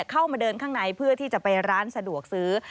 เข้ามาเดินข้างในเพื่อที่จะไปร้านสะดวกซื้อ